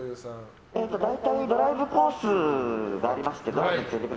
大体ドライブコースがありまして。